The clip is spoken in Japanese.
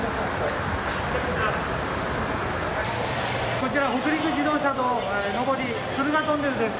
こちら北陸自動車道上り敦賀トンネルです。